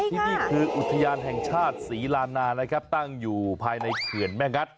ที่นี่คืออุทยานแห่งชาติศรีลานานะครับตั้งอยู่ภายในเขื่อนแม่งัด